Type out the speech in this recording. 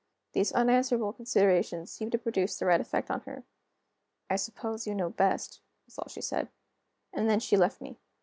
These unanswerable considerations seemed to produce the right effect on her. "I suppose you know best," was all she said. And then she left me.